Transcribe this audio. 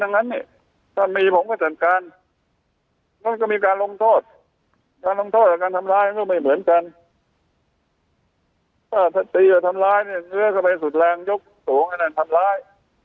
เชื้อเข้าไปสุดแรงยกสูงอันนั้นทำร้าย